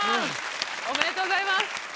おめでとうございます。